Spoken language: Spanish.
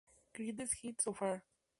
Greatest Hits... So Far!!!